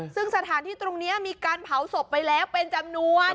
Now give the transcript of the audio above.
ซึ่งสถานที่ตรงนี้มีการเผาศพไปแล้วเป็นจำนวน